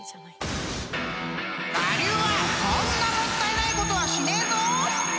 ［我流はそんなもったいないことはしねえぞ！］